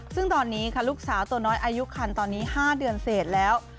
ซึ่งตอนนี้ค่ะลูกสาวตัวน้อยอายุคันตอนนี้๕เดือนเสร็จแล้ว